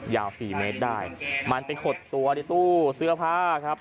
สี่เมตรได้มันไปขดตัวในตู้เสื้อผ้าครับ